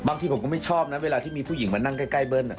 ผมก็ไม่ชอบนะเวลาที่มีผู้หญิงมานั่งใกล้เบิ้ล